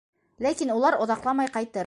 Ләкин улар оҙаҡламай ҡайтыр.